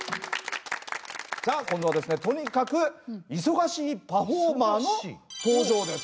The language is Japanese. さあ今度はですねとにかく忙しいパフォーマーの登場です。